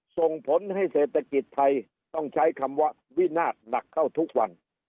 ส่งผลให้เศรษฐกิจไทยต้องใช้คำว่าวินาทหนักเข้าทุกวัน